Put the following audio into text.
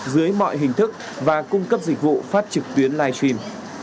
dưới mọi hình thức và cung cấp dịch vụ phát trực tuyến livestream